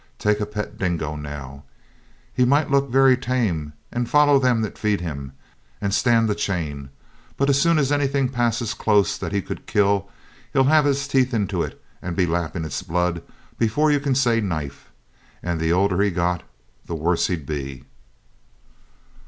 Take a pet dingo now. He might look very tame, and follow them that feed him, and stand the chain; but as soon as anything passed close that he could kill, he'd have his teeth into it and be lapping its blood before you could say knife, and the older he got the worse he'd be.